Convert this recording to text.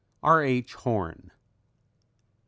_" R. H. HORNE.